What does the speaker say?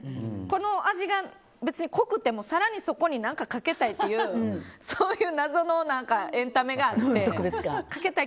この味が濃くても更にそこに何かかけたいみたいなそういう謎のエンタメがあって。